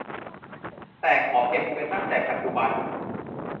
แต่ขอเก็บเงินตั้งแต่ปัจจุบัน